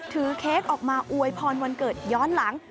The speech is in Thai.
เค้กออกมาอวยพรวันเกิดย้อนหลัง